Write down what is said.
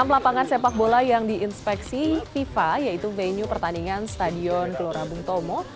enam lapangan sepak bola yang diinspeksi fifa yaitu venue pertandingan stadion gelora bung tomo